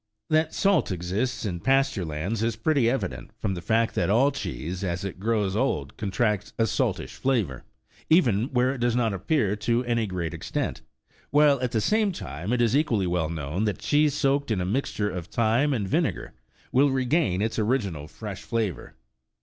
That salt exists m pasture lands is pretty evident, from the fact that all cheese as it grows old contracts a saltish flavour, even where it does not appear to any great extent;33 while at the same time it is equally well known that cheese soaked in a mixture of thyme and vinegar will regain its original fresh flavour.